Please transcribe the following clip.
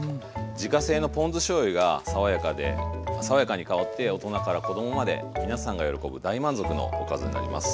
自家製のポン酢しょうゆが爽やかに香って大人から子供まで皆さんが喜ぶ大満足のおかずになります。